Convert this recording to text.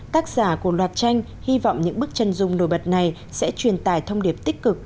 tác giả của loạt tranh hy vọng những bức chân dung nổi bật này sẽ truyền tải thông điệp tích cực